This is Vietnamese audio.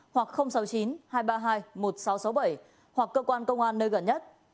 hoặc sáu mươi chín hai trăm ba mươi hai một nghìn sáu trăm sáu mươi bảy hoặc cơ quan công an nơi gần nhất